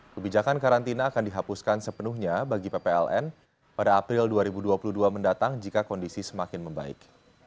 kebijakan karantina akan dihapuskan sepenuhnya bagi ppln pada april dua ribu dua puluh dua mendatang jika kondisi semakin membaik